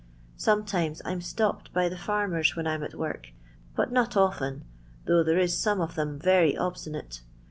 " Sometimes I 'm stopped by the farmers when I 'm at work, but not often, though there is some of 'em very obstinate.